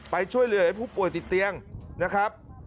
ไปช่วยเหลือผู้ป่วยติดเตียงนะครับ